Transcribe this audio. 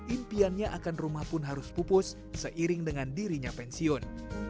impiannya akan rumah pun harus pupus seiring dengan dirinya pensiun